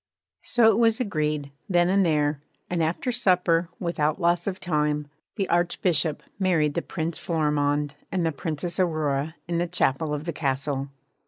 So it was agreed, then and there; and after supper, without loss of time, the Archbishop married the Prince Florimond and the Princess Aurora in the chapel of the Castle.